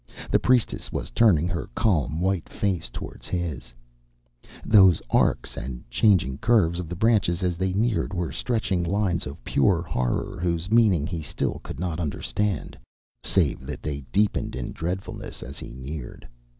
The priestess was turning her calm white face toward his. Those arcs and changing curves of the branches as they neared were sketching lines of pure horror whose meaning he still could not understand, save that they deepened in dreadfulness as he neared.